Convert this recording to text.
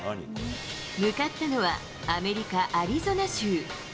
向かったのは、アメリカ・アリゾナ州。